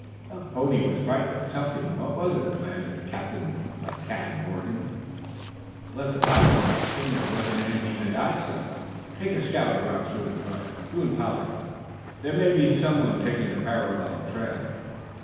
"That pony was frightened at something. What was it?" demanded the captain of Cad Morgan. "I'm blest if I know, Captain. There wasn't anything that I saw." "Take a scout around through the brush, you and Polly. There may be some one taking a parallel trail."